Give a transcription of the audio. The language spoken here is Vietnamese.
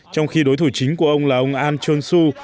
trong khi đối thủ chính của ông là ông ahn jong soo